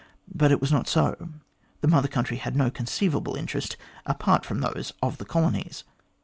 But it was not so. The Mother Country had no conceivable interest apart from those of the colonies.